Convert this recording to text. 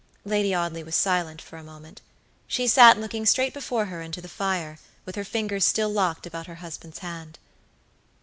Lady Audley was silent for a moment. She sat looking straight before her into the fire, with her fingers still locked about her husband's hand.